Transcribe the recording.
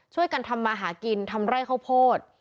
ช่วยกันทำมาหากินทำไร่ข้าวโพด